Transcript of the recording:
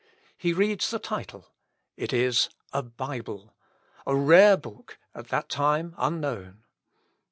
He reads the title, ... it is a Bible! a rare book, at that time unknown.